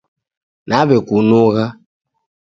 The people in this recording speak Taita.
Naw'ekunugha